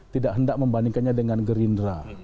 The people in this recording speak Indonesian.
tidak hendak membandingkannya dengan gerindra